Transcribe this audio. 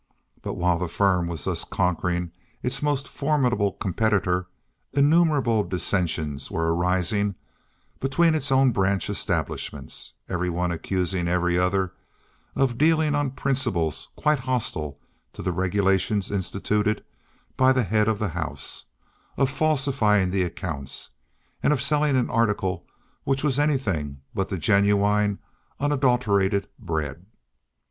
But while the firm was thus conquering its most formidable competitor, innumerable dissensions were arising between its own branch establishments; every one accusing every other of dealing on principles quite hostile to the regulations instituted by the head of the house, of falsifying the accounts, and of selling an article which was anything but the genuine unadulterated bread.